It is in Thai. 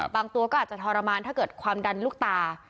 ตัวก็อาจจะทรมานถ้าเกิดความดันลูกตา